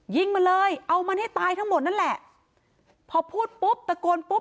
ยิงมันเลยเอามันให้ตายทั้งหมดนั่นแหละพอพูดปุ๊บตะโกนปุ๊บ